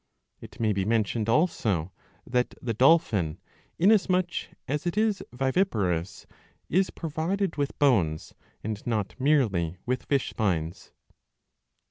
It may be mentioned also that the Dolphin, inasmuch as it is viviparous, is provided with bones and not merely with fish spines.